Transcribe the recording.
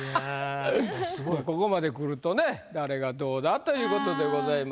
ここまで来るとね誰がどうだということでございます。